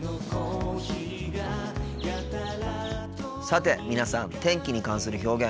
さて皆さん天気に関する表現